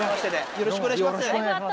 よろしくお願いします。